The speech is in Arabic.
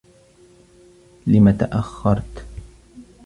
لم تأخّرت؟